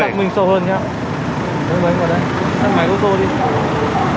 sắc minh sâu hơn nhé